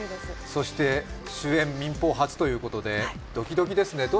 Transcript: そして主演民放初ということでドキドキですね。